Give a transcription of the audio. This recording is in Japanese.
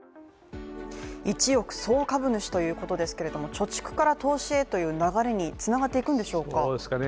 一億総株主ということですけれども貯蓄から投資へという流れに繋がっていくんでしょうかどうですかね